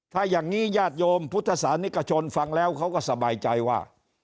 ถ้าอย่างนี้ญาติโยมพุทธศาสนิกชนฟังแล้วเขาก็สบายใจว่า